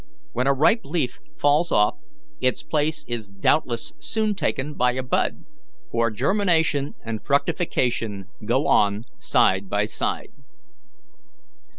When a ripe leaf falls off, its place is doubtless soon taken by a bud, for germination and fructification go on side by side."